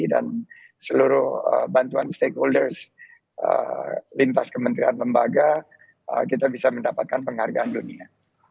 dan seluruh bantuan stakeholders lintas kementerian lembaga kita bisa mendapatkan penghargaan dunia